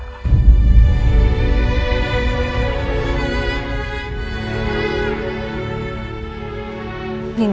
terima kasih buat informasinya